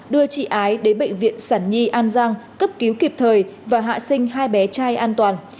đưa chị ái đến bệnh viện sản nhi an giang cấp cứu kịp thời và hạ sinh hai bé trai an toàn